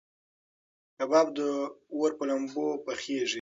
کباب د اور په لمبو کې پخېږي.